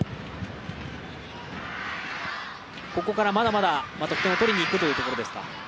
ここからまだまだ得点を取りに行くというところですか。